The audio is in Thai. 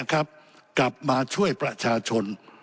กลับมาช่วยประชาชน